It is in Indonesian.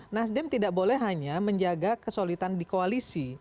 nasdem tidak boleh hanya menjaga kesolidan di koalisi